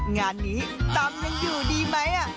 งานนี้ตำยังอยู่ดีไหม